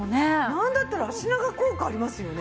なんだったら足長効果ありますよね。